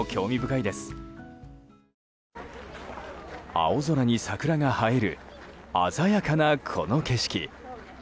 青空に桜が映える鮮やかな、この景色。